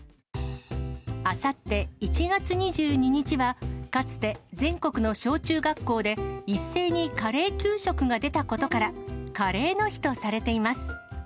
あさって１月２２日は、かつて全国の小中学校で一斉にカレー給食が出たことから、カレーの日とされています。